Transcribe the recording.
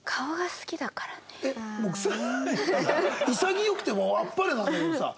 潔くてもうあっぱれなんだけどさ。